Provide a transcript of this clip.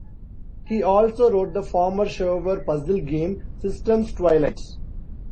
He also wrote the former shareware puzzle game "System's Twilight".